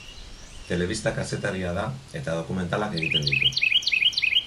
Telebista-kazetaria da, eta dokumentalak egiten ditu.